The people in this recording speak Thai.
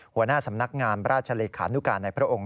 หัวหน้าสำนักงามราชเลขานุการในพระองค์